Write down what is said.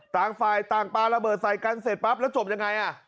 ต่างฝ่ายต่างปลาระเบิดใส่กันเสร็จปั๊บแล้วจบยังไง